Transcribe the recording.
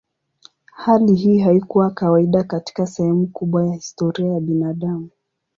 Hali hii haikuwa kawaida katika sehemu kubwa ya historia ya binadamu.